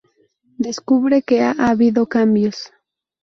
Descubre que ha habido cambios.